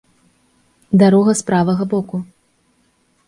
Дарога з правага боку.